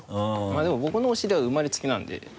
まぁでも僕のお尻は生まれつきなんで。